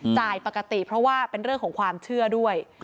ปกติเพราะว่าเป็นเรื่องของความเชื่อด้วย